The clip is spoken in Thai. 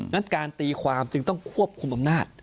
นั้นการตีความจึงต้องควบคุมอำนาจ